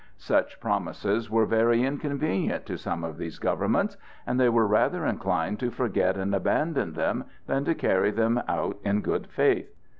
Such promises were very inconvenient to some of these governments, and they were rather inclined to forget and abandon them than to carry them out in good faith.